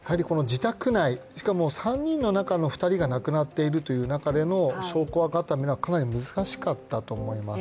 自宅内、３人の中に２人が亡くなっているという中での証拠固めというのはかなり難しかったと思います。